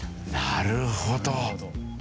なるほど。